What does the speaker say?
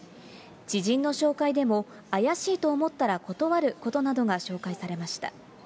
知人の紹介でも、怪しいと思ったら断ることなどが紹介されました。